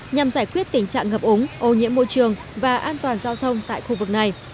nhằm giải quyết tình trạng ngập ống ô nhiễm môi trường và an toàn giao thông tại khu vực này